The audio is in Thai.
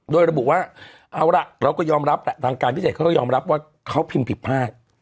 โดยระบุว่าเอาล่ะเราก็ยอมรับแหละทางการพิเศษเขาก็ยอมรับว่าเขาพิมพ์ผิดพลาด